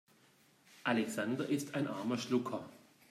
Alexander ist ein armer Schlucker.